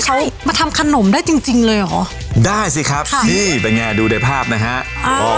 เขามาทำขนมได้จริงจริงเลยเหรอได้สิครับค่ะนี่เป็นไงดูในภาพนะฮะอ่า